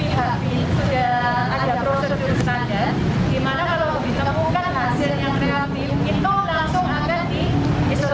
di mana kalau ditemukan hasil yang kreatif itu langsung akan diisolasi